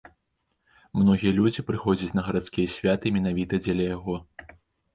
Многія людзі прыходзяць на гарадскія святы менавіта дзеля яго.